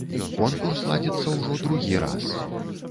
Конкурс ладзіцца ўжо другі раз.